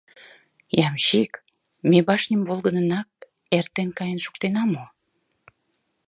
— Ямщик, ме башньым волгыдынак эртен каен шуктена мо?